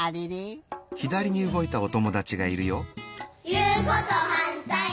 いうことはんたい！